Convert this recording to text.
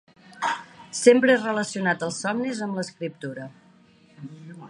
Sempre he relacionat els somnis amb l'escriptura.